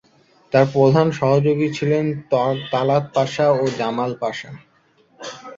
তার প্রধান সহযোগী ছিলেন তালাত পাশা ও জামাল পাশা।